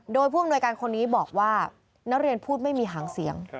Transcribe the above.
โดยผู้อำนวยการคนนี้บอกว่านักเรียนพูดไม่มีหางเสียง